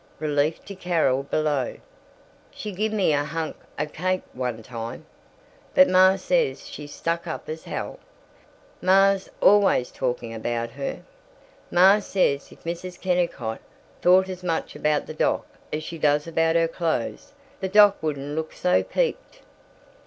Relief to Carol, below. "She gimme a hunk o' cake, one time. But Ma says she's stuck up as hell. Ma's always talking about her. Ma says if Mrs. Kennicott thought as much about the doc as she does about her clothes, the doc wouldn't look so peaked."